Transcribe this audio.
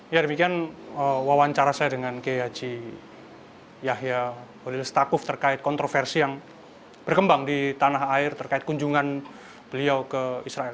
ya demikian wawancara saya dengan kiai haji yahya holil stakuf terkait kontroversi yang berkembang di tanah air terkait kunjungan beliau ke israel